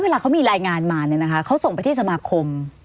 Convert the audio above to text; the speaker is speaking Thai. เวลาเขามีรายงานมาเนี่ยนะคะเขาส่งไปที่สมาคม